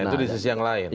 itu di sisi yang lain